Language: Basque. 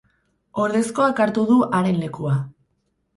Ordezkoak hartu du haren lekua.